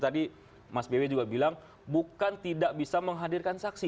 jadi mas bewe juga bilang bukan tidak bisa menghadirkan saksi